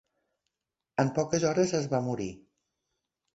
En poques hores es va morir.